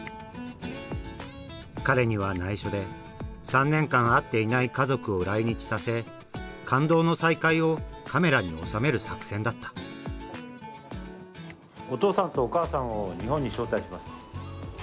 彼にはないしょで３年間会っていない家族を来日させ感動の再会をカメラに収める作戦だったお父さんとお母さんを日本に招待します。